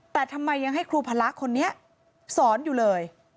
แต่ทำไมยังให้ครูพละคนนี้สอนอยู่เลย